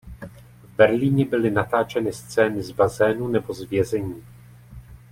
V Berlíně byly natáčeny scény z bazénu nebo z vězení.